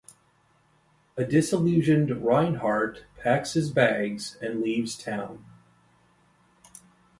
A disillusioned Reinhardt packs his bags and leaves town.